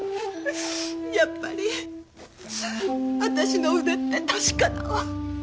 やっぱり私の腕って確かだわ。